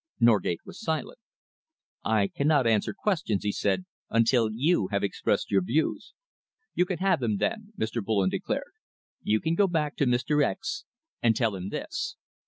Norgate was silent. "I cannot answer questions," he said, "until you have expressed your views." "You can have them, then," Mr. Bullen declared. "You can go back to Mr. X and tell him this.